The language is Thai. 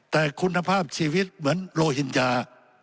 แต่คุณภาพชีวิตเหมือนโลหินยา